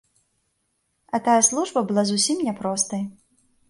А тая служба была зусім не простай.